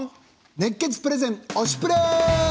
熱血プレゼン「推しプレ！」。